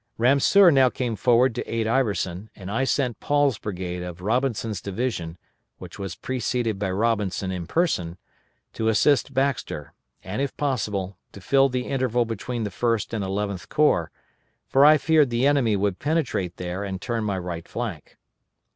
Ramseur now came forward to aid Iverson, and I sent Paul's brigade of Robinson's division, which was preceded by Robinson in person, to assist Baxter, and, if possible to fill the interval between the First and Eleventh Corps, for I feared the enemy would penetrate there and turn my right flank.